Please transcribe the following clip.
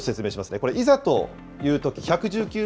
これいざというとき、１１９番